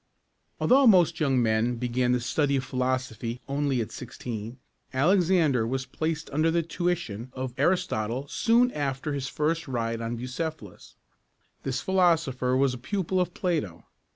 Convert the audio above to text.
Although most young men began the study of philosophy only at sixteen, Alexander was placed under the tuition of Ar´is totle soon after his first ride on Bucephalus. This philosopher was a pupil of Plato.